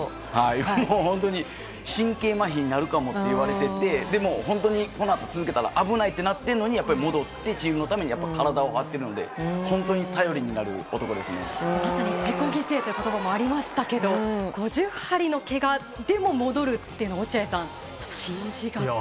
神経麻痺になるかもと言われていてでも、このあと続けたら危ないとなっているのに戻って、チームのために体を張っているのでまさに自己犠牲という言葉もありましたが５０針のけがでも戻るというのは落合さん、信じがたいですよね。